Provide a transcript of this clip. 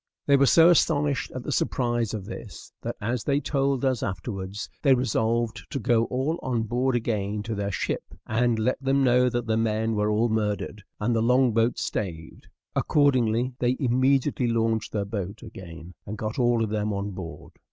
They were so astonished at the surprise of this, that, as they told us afterwards, they resolved to go all on board again to their ship, and let them know that the men were all murdered, and the long boat staved; accordingly, they immediately launched their boat again, and got all of them on board.